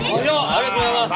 ありがとうございます。